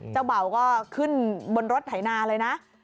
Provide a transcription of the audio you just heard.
เบาก็ขึ้นบนรถไถนาเลยนะ